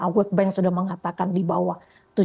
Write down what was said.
world bank sudah mengatakan di bawah